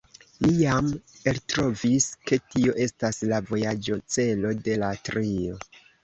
Ni jam eltrovis, ke tio estas la vojaĝocelo de la trio.